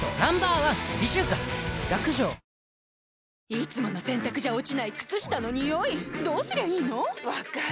いつもの洗たくじゃ落ちない靴下のニオイどうすりゃいいの⁉分かる。